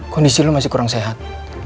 kondisi lu masih kurang sehat